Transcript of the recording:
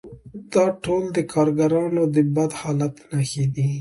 دا ټول د کارګرانو د بد حالت نښې دي